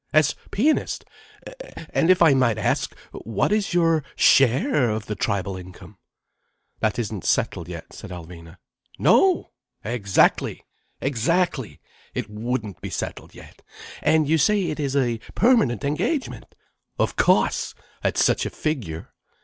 As pianist? And if I might ask, what is your share of the tribal income?" "That isn't settled yet," said Alvina. "No! Exactly! Exactly! It wouldn't be settled yet. And you say it is a permanent engagement? Of cauce, at such a figure."